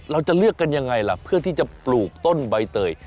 เราจะเลือกกันยังไงล่ะเพื่อที่จะปลูกต้นใบเตย